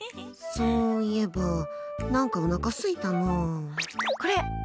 そういえば何かおなかすいたなあ。